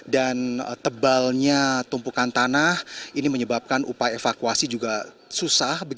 dan tebalnya tumpukan tanah ini menyebabkan upaya evakuasi juga susah